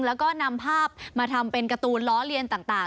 แล้วก็นำภาพมาทำเป็นการ์ตูนล้อเลียนต่าง